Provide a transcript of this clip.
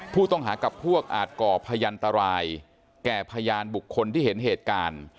ผู้ต้องหากับพวกอาจก่อพยันตรายแก่พยานบุคคลที่เห็นเหตุการณ์